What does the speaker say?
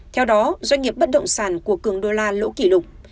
theo đó doanh nghiệp bất động sản của cường đô la lỗ kỷ lục